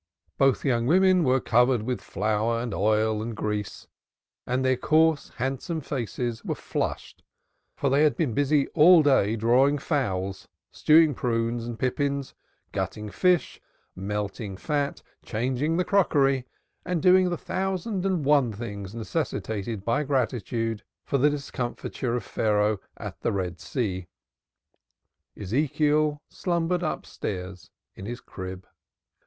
Both young women were covered with flour and oil and grease, and their coarse handsome faces were flushed, for they had been busy all day drawing fowls, stewing prunes and pippins, gutting fish, melting fat, changing the crockery and doing the thousand and one things necessitated by gratitude for the discomfiture of Pharaoh at the Red Sea; Ezekiel slumbered upstairs in his crib.